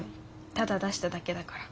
ただ出しただけだから。